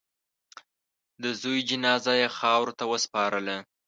د زوی جنازه یې خاورو ته وسپارله.